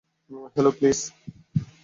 Hello, please.